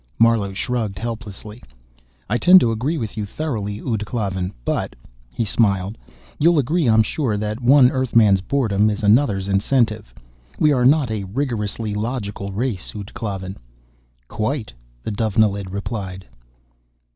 Marlowe shrugged helplessly. "I tend to agree with you thoroughly, ud Klavan, but " he smiled, "you'll agree, I'm sure, that one Earthman's boredom is another's incentive? We are not a rigorously logical race, ud Klavan." "Quite," the Dovenilid replied.